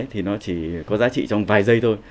thì nó chỉ có giá trị trong vài giây thôi